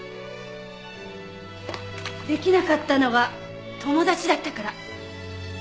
できなかったのは友達だったから。